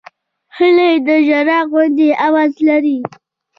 هیلۍ د ژړا غوندې آواز لري